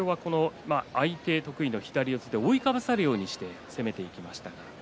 相手得意の左足で覆いかぶさるように攻めていきました。